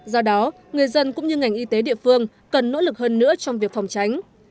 do đó người dân cũng như ngành y tế địa phương cần nỗ lực hơn nữa trong việc phòng tránh